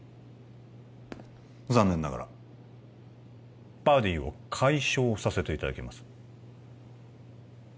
残念ながらバディを解消させていただきます